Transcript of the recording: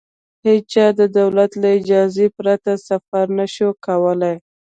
هېچا د دولت له اجازې پرته سفر نه شوای کولای.